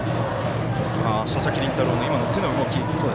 佐々木麟太郎の今の手の動き。